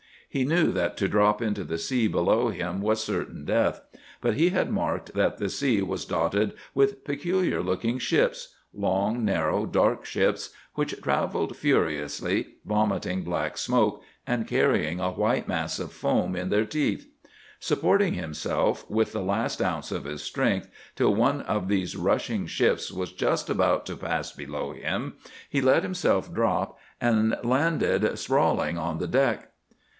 He knew that to drop into the sea below him was certain death. But he had marked that the sea was dotted with peculiar looking ships—long, narrow, dark ships—which travelled furiously, vomiting black smoke and carrying a white mass of foam in their teeth. Supporting himself, with the last ounce of his strength, till one of these rushing ships was just about to pass below him, he let himself drop, and landed sprawling on the deck.